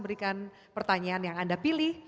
berikan pertanyaan yang anda pilih